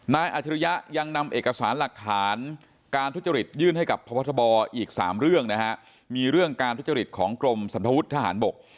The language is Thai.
อาจริยะยังนำเอกสารหลักฐานการทุจริตยื่นให้กับพบทบอีก๓เรื่องนะฮะมีเรื่องการทุจริตของกรมสันทวุฒิทหารบก